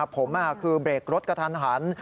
ผมคือเบรกรถกระทันหัน